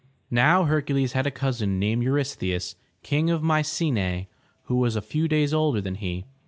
Now Hercules had a cousin named Eu rystheus, Kang of My ce'nae, who was a few days older than he.